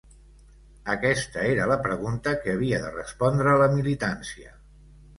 Aquesta era la pregunta que havia de respondre la militància.